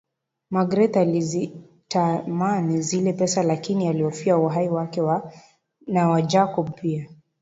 Magreth alizitamani zile pesa lakini alihofia uhai wake na wa Jacob pia